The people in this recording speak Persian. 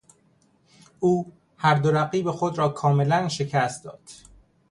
او هر دو رقیب خود را کاملا شکست داد.